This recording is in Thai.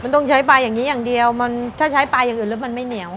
มันต้องใช้ปลาอย่างนี้อย่างเดียวมันถ้าใช้ปลาอย่างอื่นแล้วมันไม่เหนียว